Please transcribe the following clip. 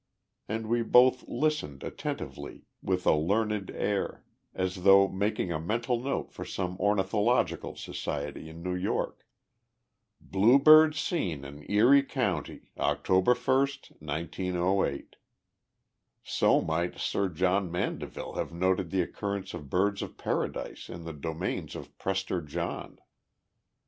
And we both listened attentively, with a learned air, as though making a mental note for some ornithological society in New York. "Bluebird seen in Erie County, October 1, 1908!" So might Sir John Mandeville have noted the occurrence of birds of paradise in the domains of Prester John.